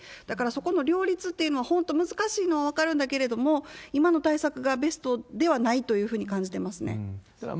だからそこの両立っていうのは本当難しいのは分かるんだけれども、今の対策がベストではないというふうに感じてますね。